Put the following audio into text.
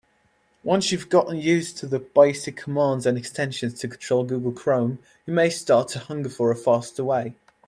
Once you've gotten used to the basic commands and extensions to control Google Chrome, you may start to hunger for a faster way.